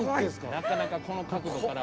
なかなかこの角度から。